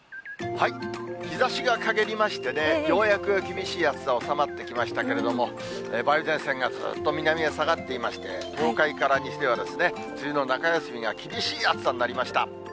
日ざしが陰りましてね、ようやく厳しい暑さ、収まってきましたけれども、梅雨前線がずっと南へ下がっていまして、東海から西では、梅雨の中休みが厳しい暑さになりました。